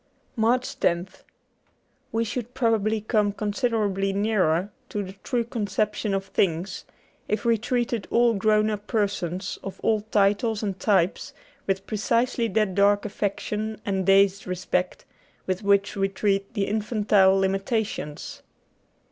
' 75 MARCH loth WE should probably come considerably nearer to the true conception of things if we treated all grown up persons, of all titles and types, with precisely that dark affection and dazed respect with which we treat the infantile limitations.